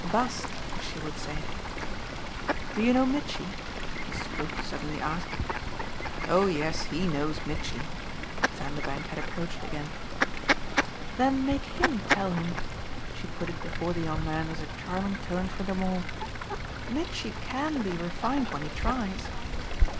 Basta, as she would say. Do you know Mitchy?" Mrs. Brook suddenly asked. "Oh yes, he knows Mitchy" Vanderbank had approached again. "Then make HIM tell him" she put it before the young man as a charming turn for them all. "Mitchy CAN be refined when he tries."